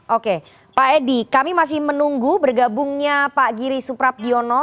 oke pak edi kami masih menunggu bergabungnya pak giri suprabdiono